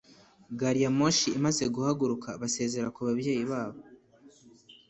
gari ya moshi imaze guhaguruka, basezera ku babyeyi babo